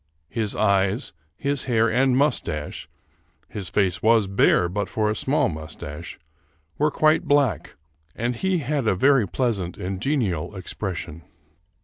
His eyes, his hair and mustache (his face was bare but for a small mustache) were quite black, and he had a very pleasant and genial expres sion.